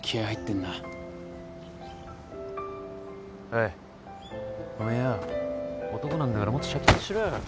おいおめえよ男なんだからもっとシャキッとしろよ。